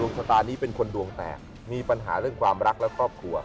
ชะตานี้เป็นคนดวงแตกมีปัญหาเรื่องความรักและครอบครัว